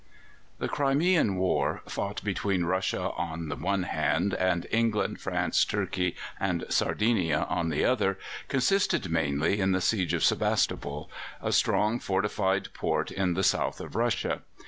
The Crimean War, fought between Russia on the one hand and England, France, Turkey, and Sardinia on the other, consisted mainly in the Siege of Sebastopol, a strong fortified port in the South of Russia.